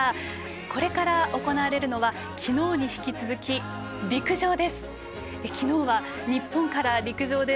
これから行われるのは昨日に引き続き陸上です。